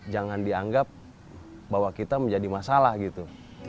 jangan dianggap bahwa kita menjadi masalah gitu